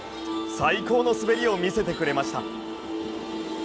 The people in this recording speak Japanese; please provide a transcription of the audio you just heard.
最高の滑りを見せてくれました。